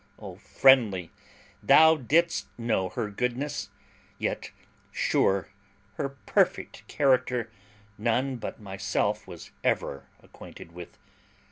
O Friendly! thou didst know her goodness; yet, sure, her perfect character none but myself was ever acquainted with.